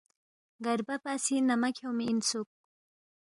گربہ پا سی نمہ کھیونگمی اِنسُوک